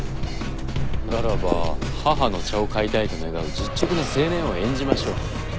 ならば母の茶を買いたいと願う実直な青年を演じましょう。